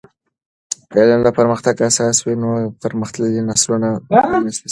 که علم د پرمختګ اساس وي، نو پرمختللي نسلونه به رامنځته سي.